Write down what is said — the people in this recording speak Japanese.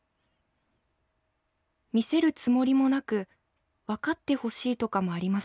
見せるつもりもなくわかって欲しいとかもありません。